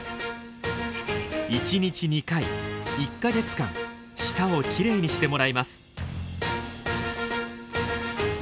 １日２回１か月間舌をきれいにしてもらいます。